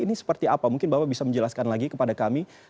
ini seperti apa mungkin bapak bisa menjelaskan lagi kepada kami